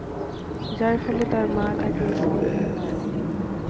যার ফলে তার মা তাকে স্কেল দিয়ে মারে।